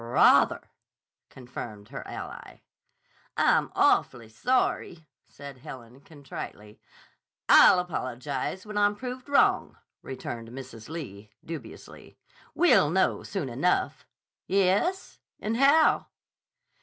"Rah ther!" confirmed her ally. "I'm awfully sorry," said Helen contritely. "I'll apologize when I'm proved wrong," returned Mrs. Lee dubiously. "We'll know soon enough." "Yes? And how?"